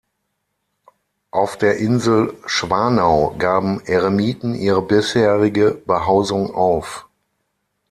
Auf der Insel Schwanau gaben Eremiten ihre bisherige Behausung auf.